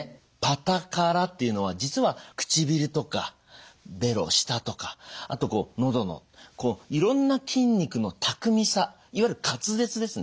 「パタカラ」っていうのは実は唇とかべろ舌とかあと喉のいろんな筋肉の巧みさいわゆる滑舌ですね